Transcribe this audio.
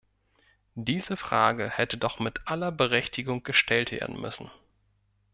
Diese Frage hätte doch mit aller Berechtigung gestellt werden müssen.